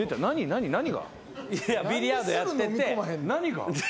ビリヤードやってて。